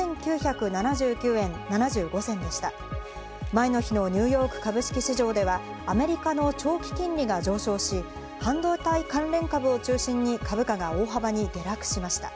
前の日のニューヨーク株式市場ではアメリカの長期金利が上昇し、半導体関連株を中心に株価が大幅に下落しました。